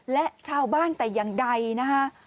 และชาวบ้านแต่อย่างใดนะคะ